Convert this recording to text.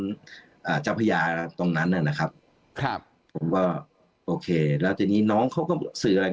อ่าเจ้าพญาตรงนั้นน่ะนะครับครับผมก็โอเคแล้วทีนี้น้องเขาก็สื่ออะไร